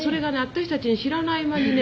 私たちに知らない間にね